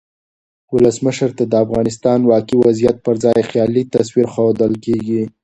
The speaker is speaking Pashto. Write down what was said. ولسمشر ته د افغانستان واقعي وضعیت پرځای خیالي تصویر ښودل کیږي.